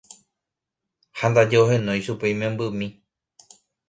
ha ndaje ohenói chupe imembymi.